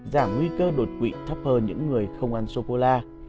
giảm nguy cơ đột quỵ thấp hơn những người không ăn sôcôla